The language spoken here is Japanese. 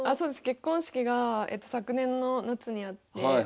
結婚式が昨年の夏にあって。